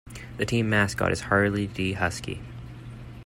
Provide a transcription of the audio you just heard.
The team mascot is Harley D. Huskie.